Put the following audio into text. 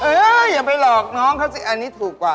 อย่าไปหลอกน้องเขาสิอันนี้ถูกกว่า